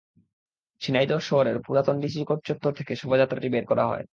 ঝিনাইদহ শহরের পুরাতন DC court চত্বর থেকে শোভাযাত্রাটি বের করা হয়।